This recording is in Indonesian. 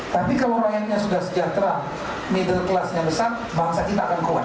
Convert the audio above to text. tapi kalau rakyatnya sudah sejahtera middle classnya besar bangsa kita akan kuat